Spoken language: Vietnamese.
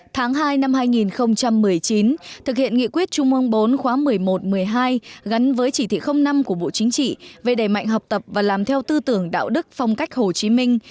tháng hai năm hai nghìn một mươi chín thực hiện nghị quyết trung ương bốn khóa một mươi một một mươi hai gắn với chỉ thị năm của bộ chính trị về đẩy mạnh học tập và làm theo tư tưởng đạo đức phong cách hồ chí minh